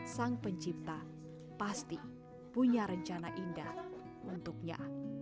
sang pencipta pasti punya rencana indah untuknya